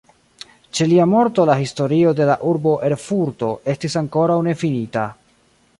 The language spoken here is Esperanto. Ĉe lia morto la "Historio de la urbo Erfurto" estis ankoraŭ nefinita.